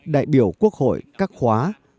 đại biểu quốc hội các khóa một mươi ba một mươi bốn